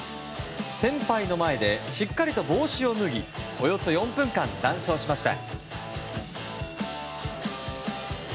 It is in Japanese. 先輩の前でしっかりと帽子を脱ぎおよそ４分間、談笑しました。